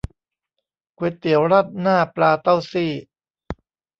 ก๋วยเตี๋ยวราดหน้าปลาเต้าซี่